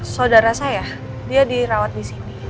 saudara saya ya dia dirawat disini